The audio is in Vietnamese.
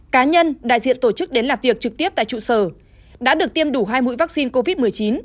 cá nhân đại diện tổ chức đến làm việc trực tiếp tại trụ sở đã được tiêm đủ hai mũi vaccine covid một mươi chín